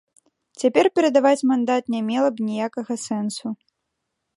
Цяпер перадаваць мандат не мела б ніякага сэнсу.